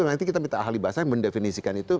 nanti kita minta ahli bahasa yang mendefinisikan itu